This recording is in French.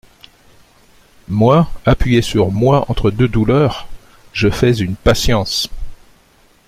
Moi, appuyer sur "moi" entre deux douleurs, je fais une patience !…